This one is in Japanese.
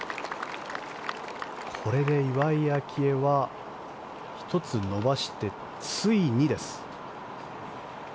これで岩井明愛は１つ伸ばして、ついにです。